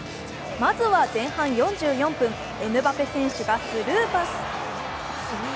まずは前半４４分、エムバペ選手がスルーパス。